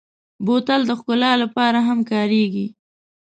بوتل د ښکلا لپاره هم کارېږي.